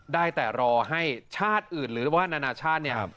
ได้แต่รอให้ชาติอื่นหรือว่านานาชาติเนี่ย